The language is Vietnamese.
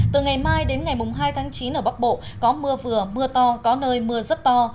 từ ngày mai đến ngày hai tháng chín ở bắc bộ có mưa vừa mưa to có nơi mưa rất to